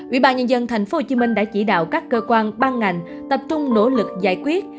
ủy ban nhân dân tp hcm đã chỉ đạo các cơ quan ban ngành tập trung nỗ lực giải quyết